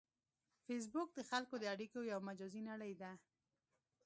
فېسبوک د خلکو د اړیکو یو مجازی نړۍ ده